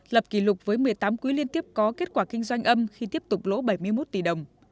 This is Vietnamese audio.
lập kỷ lục với một mươi tám quý liên tiếp có kết quả kinh doanh âm khi tiếp tục lỗ bảy mươi một tỷ đồng